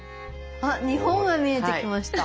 あっ日本が見えてきました。